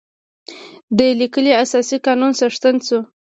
د لیکلي اساسي قانون څښتن شو.